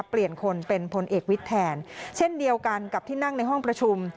เทียนเดียวกันกับที่นั่งในห้องประชุม